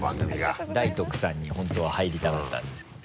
「大とくさん」に本当は入りたかったんですけど。